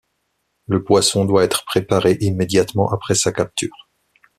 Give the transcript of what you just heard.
Le poisson doit être préparé immédiatement après sa capture.